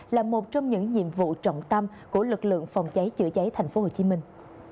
là một trong những nhiệm vụ trọng tâm của lực lượng phòng cháy chữa cháy thành phố hồ chí minh